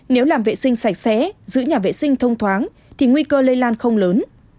nếu làm vệ sinh sạch sẽ giữ nhà vệ sinh thông thoáng thì nguy cơ lây lan không lớn